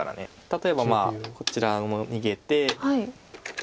例えばこちらも逃げて。